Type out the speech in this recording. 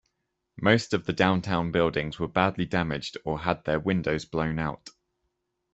Most of the downtown buildings were badly damaged or had their windows blown out.